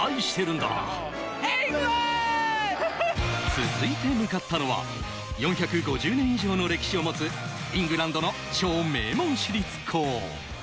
続いて向かったのは４５０年以上の歴史を持つイングランドの超名門私立校。